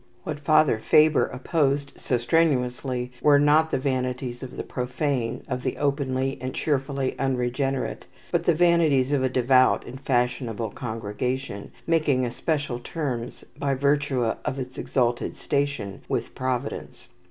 What Father Faber opposed so strenuously were, not the vanities of the profane, of the openly and cheerfully unregenerate; but the vanities of a devout and fashionable congregation, making especial terms by virtue of its exalted station with Providence.